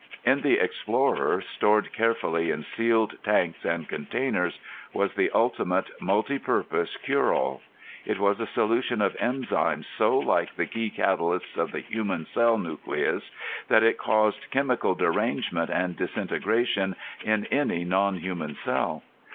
In the Explorer, stored carefully in sealed tanks and containers, was the ultimate, multi purpose cureall. It was a solution of enzymes so like the key catalysts of the human cell nucleus that it caused chemical derangement and disintegration in any non human cell.